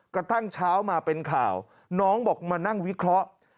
กระทั่งเช้ามาเป็นข่าวน้องบอกมานั่งวิเคราะห์